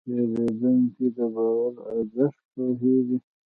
پیرودونکی د باور ارزښت پوهېږي.